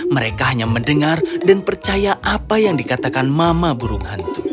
mereka hanya mendengar dan percaya apa yang dikatakan mama burung hantu